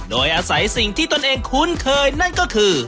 โดยอาศัยสิ่งที่ตนเองคุ้นเคยนั่นก็คือ